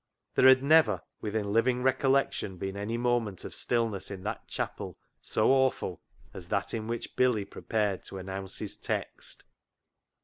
There had never, within living recollection, been any moment of stillness in that chapel so awful as that in which Billy prepared to announce his text.